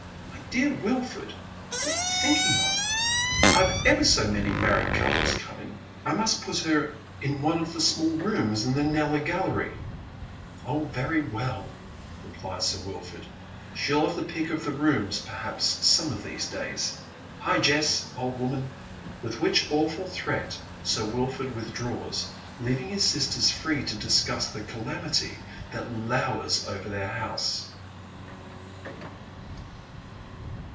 " My dear Wilford, what are you thinking of ? I have ever so many married couples coming. I must put her in one of the small rooms in the Kneller gallery." " Oh, very well," replies Sir Wilford, " she'll have the pick of the rooms, perhaps, some of these days. — Hi, Jess, old woman." With which awful threat Sir Wilford withdraws, leaving his sisters fi'ee to discuss tlae calamity that lowers over their house.